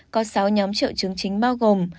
có sáu nhóm triệu chứng chính bao gồm